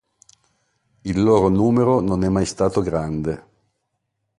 Il loro numero non è mai stato grande.